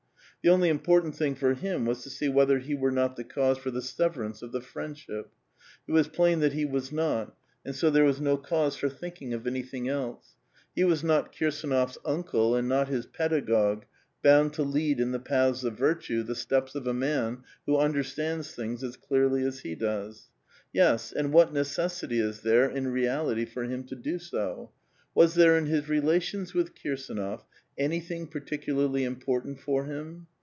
The only important thing for him was to sec whether he were not the cause for the severance of the f riendsliip ; it was plain tliat he was not^ and so there was no cause for thinking of anything else ; he was not Kirsdiiof s uncle and not his pedagogue, bound to lead in the patiis of virtue the steps of SI man who understands things as clearly as he does. Yes, and what necessity is there in reality for liim to do so? Was there in his relations with Kirsdnof anything particularly important for him?